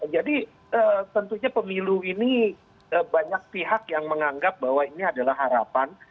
jadi tentunya pemilu ini banyak pihak yang menganggap bahwa ini adalah harapan